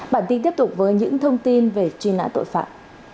bản tin tiếp tục với những thông tin về truy nã tội phạm